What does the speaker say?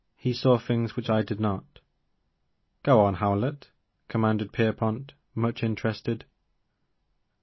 He saw things which I did not." Go on, Howlett," commanded Pierpont, much interested.